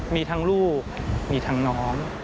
มีทั้งลูกมีทั้งน้อง